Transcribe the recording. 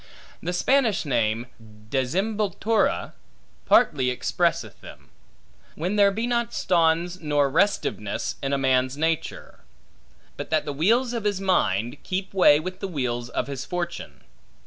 The Spanish name, desemboltura, partly expresseth them; when there be not stonds nor restiveness in a man's nature; but that the wheels of his mind, keep way with the wheels of his fortune.